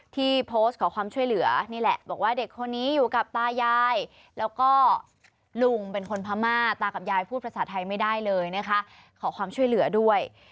ที่โพสต์ขอความช่วยเหลือนี่แหละบอกว่าเด็กคนนี้อยู่กับตายายแล้วก็ลุงเป็นคนพม่าตากับยายพูดภาษาไทยไม่ได้เลยนะคะขอความช่วยเหลือด้วย